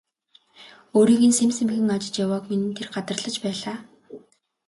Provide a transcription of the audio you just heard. Өөрийг нь сэм сэмхэн ажиж явааг минь тэр гадарлаж байлаа.